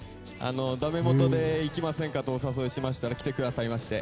ダメもとで行きませんかとお誘いしましたら来てくださいまして。